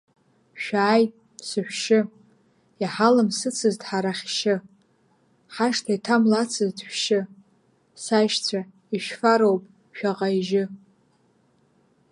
Шәааи, сышәшьы, иҳаламсыцызт ҳара хьшьы, ҳашҭа иҭамлацызт шәшьы, сашьцәа, ишәфароуп шәаӷа ижьы!